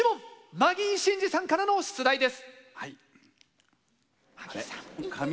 マギー審司さんからの出題です。